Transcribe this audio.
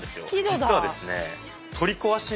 実はですね。